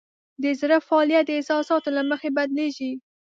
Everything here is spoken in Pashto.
د زړه فعالیت د احساساتو له مخې بدلېږي.